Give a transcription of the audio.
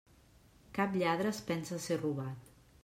Cap lladre es pensa ser robat.